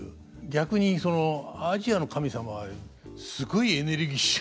逆にアジアの神様はすごいエネルギッシュで。